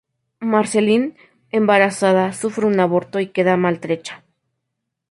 Marceline, embarazada, sufre un aborto y queda maltrecha.